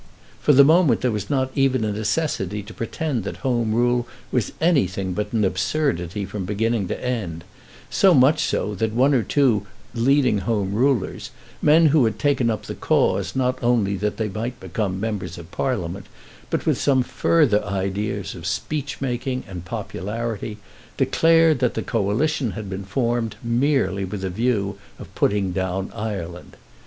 For the moment there was not even a necessity to pretend that Home Rule was anything but an absurdity from beginning to end; so much so that one or two leading Home Rulers, men who had taken up the cause not only that they might become Members of Parliament, but with some further ideas of speech making and popularity, declared that the Coalition had been formed merely with a view of putting down Ireland.